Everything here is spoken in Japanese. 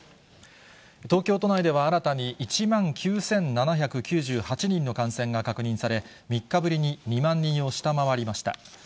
東京都内では新たに１万９７９８人の感染が確認され、３日ぶりに２万人を下回りました。